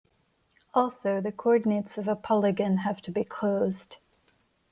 Also the coordinates of a Polygon have to be closed.